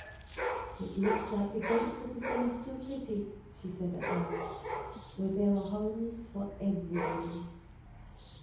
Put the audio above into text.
"It looks like the gates of the celestial city," she said at last, "where there are homes for everybody.